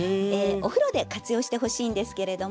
お風呂で活用してほしいんですけれども。